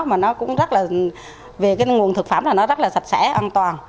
mà nó cũng rất là về cái nguồn thực phẩm là nó rất là sạch sẽ an toàn